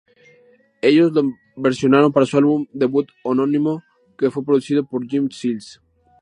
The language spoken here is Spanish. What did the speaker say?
Ellos la versionaron para su álbum debut homónimo, que fue producido por Jim Seals.